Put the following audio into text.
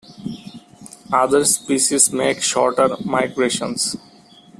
Other species make shorter migrations.